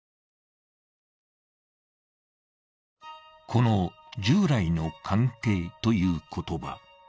この「従来の関係」という言葉。